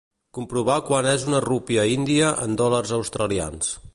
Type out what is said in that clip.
Comprovar quant és una rúpia índia en dòlars australians.